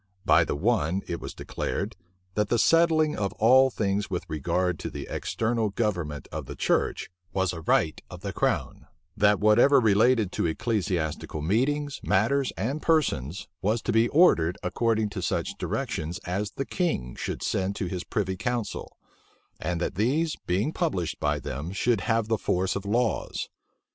By the one it was declared, that the settling of all things with regard to the external government of the church, was a right of the crown: that whatever related to ecclesiastical meetings, matters, and persons, was to be ordered according to such directions as the king should send to his privy council: and that these, being published by them should have the force of laws.